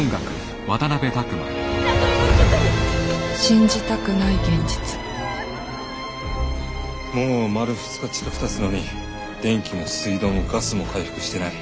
信じたくない現実もう丸２日近くたつのに電気も水道もガスも回復してない。